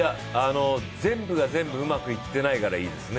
全部が全部うまくいってないからいいですね。